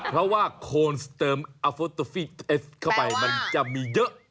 เพราะว่าโค้ลเติมแกุฟัทเข้าไปจะมีเยอะ